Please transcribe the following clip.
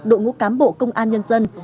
đội ngũ cám bộ công an nhân dân